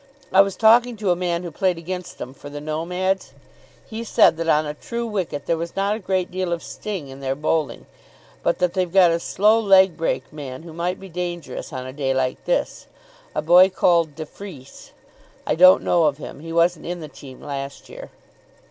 I was talking to a man who played against them for the Nomads. He said that on a true wicket there was not a great deal of sting in their bowling, but that they've got a slow leg break man who might be dangerous on a day like this. A boy called de Freece. I don't know of him. He wasn't in the team last year."